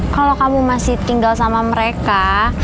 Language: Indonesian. kalau kamu masih tinggal sama mereka